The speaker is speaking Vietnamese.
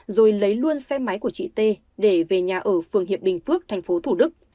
rồi lấy luôn xe máy của chị t để về nhà ở phường hiệp bình phước tp thủ đức